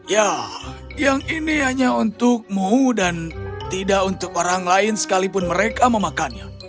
ya yang ini hanya untukmu dan tidak untuk orang lain sekalipun mereka memakannya